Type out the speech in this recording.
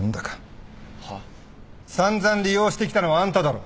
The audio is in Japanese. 散々利用してきたのはあんただろ。